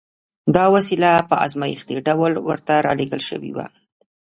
دا وسیله په ازمایښتي ډول ورته را لېږل شوې وه